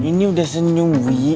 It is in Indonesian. ini udah senyum wi